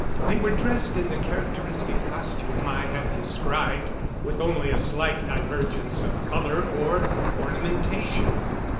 They were dressed in the characteristic costume I have described, with only a slight divergence of color or ornamentation.